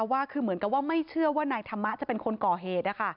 ว่าคือเหมือนกับว่าไม่เชื่อว่านายธรรมะจะเป็นคนก่อเหตุ